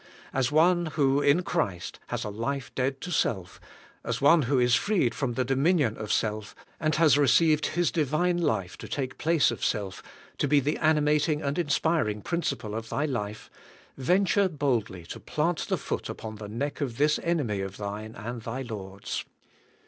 As one who, in Christ, has a life dead to self, as one who is freed from the dominion of self, and has received His divine life to take place of self, to be the animating and inspiring principle of thy life, venture boldly to plant the foot upon the neck of this enemy of thine and thy Lord's.